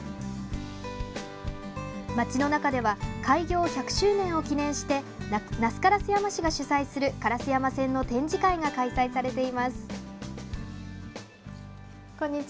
町の中では開業１００周年を記念して那須烏山市が主催する烏山線の展示会が開催されています。